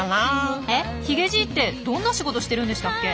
えヒゲじいってどんな仕事してるんでしたっけ？